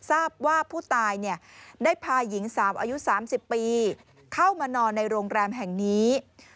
ทราบว่าผู้ตายได้พาหญิงสาวอายุ๓๐ปีเข้ามานอนในโรงแรมแห่งนี้